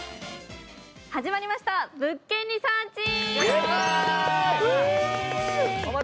始まりました、「物件リサーチ」。